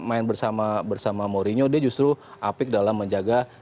tetapi ketika main bersama mourinho dia justru apik dalam menjaga kekuatan